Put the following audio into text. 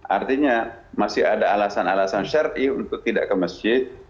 artinya masih ada alasan alasan syarii ⁇ untuk tidak ke masjid